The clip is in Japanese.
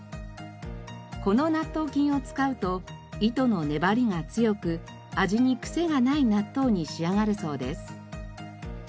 この納豆菌を使うと糸の粘りが強く味にクセがない納豆に仕上がるそうです。